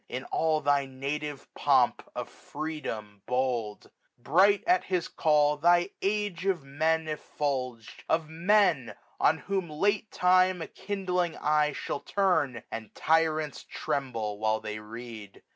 In all thy native pomp of freedom bold. Bright, at his call, thy Age of Men effulg'd. Of Men on whom late time a kindling eye Shall turn, and tyrants tremble while they read.